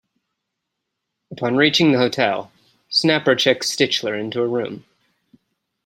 Upon reaching the hotel, Snapper checks Stichler into a room.